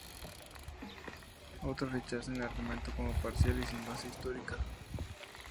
Otros rechazan el argumento como parcial y sin base histórica.